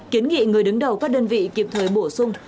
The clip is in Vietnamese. kiến nghị người đứng đầu các đơn vị kiểm thuế bổ sung